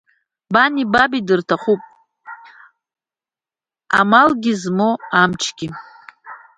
Бани баби дырҭахуп, амалгьы змоу, амчгьы.